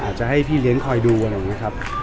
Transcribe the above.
จะให้พี่เลี้ยงคอยดูอะไรอย่างนี้ครับ